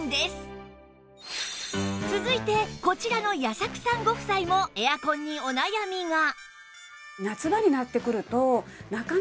続いてこちらの矢作さんご夫妻もエアコンにお悩みが